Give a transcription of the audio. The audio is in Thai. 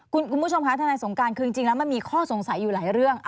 คุณผู้ชมคะทนายสงการคือจริงแล้วมันมีข้อสงสัยอยู่หลายเรื่อง